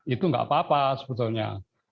itu nggak apa apa sebetulnya